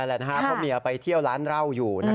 เพราะเมียไปเที่ยวร้านเหล้าอยู่